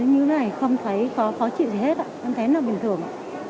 như thế này không thấy có khó chịu gì hết ạ em thấy là bình thường